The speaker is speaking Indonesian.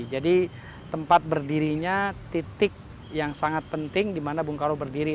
jadi tempat berdirinya titik yang sangat penting di mana bung karno berdiri